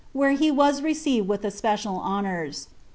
where he was received with especial honours."